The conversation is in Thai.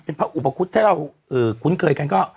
เป็นพระอุปคุฎถ้าเราคุ้นเคยกันก็